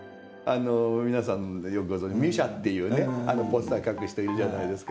皆さんよくご存じミュシャっていうねあのポスター描く人いるじゃないですか。